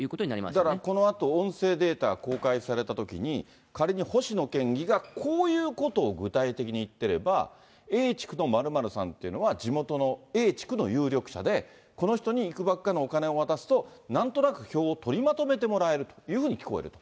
だからこのあと音声データ公開されたときに、仮に星野県議が、こういうことを具体的に言ってれば、Ａ地区の○○さんっていうのは、地元のＡ地区の有力者で、この人にいくばくかのお金を渡すと、なんとなく票を取りまとめてもらえるというふうに聞こえると。